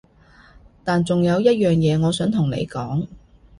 但仲有一樣嘢我想同你講